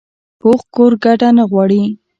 پوخ کور کډه نه غواړي